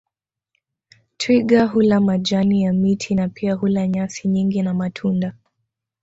Twiga hula majani ya miti na pia hula nyasi nyingi na matunda